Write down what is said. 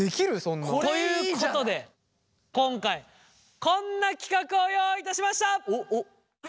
これいいじゃない！ということで今回こんな企画を用意いたしました！